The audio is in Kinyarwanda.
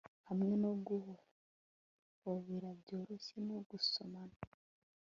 Hamwe no guhobera byoroshye no gusomana